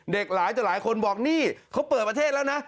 หลายต่อหลายคนบอกนี่เขาเปิดประเทศแล้วนะ